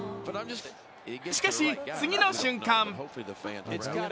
しかし、次の瞬間。